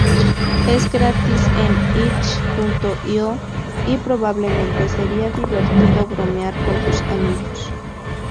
Es gratis en itch.io, y probablemente sería divertido bromear con tus amigos".